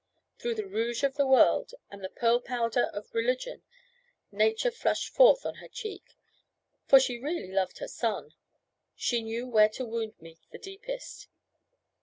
Through the rouge of the world, and the pearl powder of religion, nature flushed forth on her cheek; for she really loved her son. She knew where to wound me the deepest.